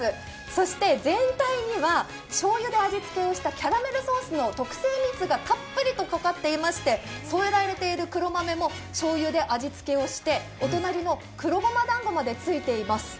そして全体には醤油で味付けをしたキャラメルソースの特製蜜がたっぷりとかかっていまして、添えられている黒豆も醤油で味付けをしてお隣の黒ごまだんごまでついています。